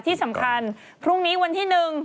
ที่สำคัญพรุ่งนี้วันที่๑